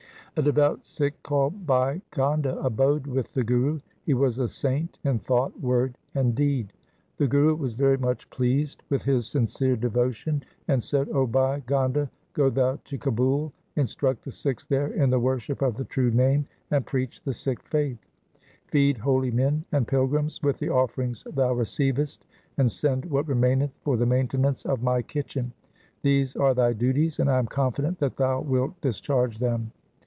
A devout Sikh called Bhai Gonda abode with the Guru. He was a saint in thought, word, and deed. The Guru was very much pleased with his sincere devotion and said, ' O Bhai Gonda, go thou to Kabul, instruct the Sikhs there in the worship of the true Name, and preach the Sikh faith. Feed holy men and pilgrims with the offerings thou receivest, and send what remaineth for the maintenance of my kitchen. These are thy duties, and I am confident that thou wilt discharge them.'